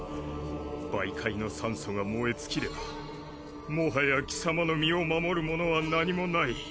媒介の酸素が燃え尽きればもはや貴様の身を守るものは何もない。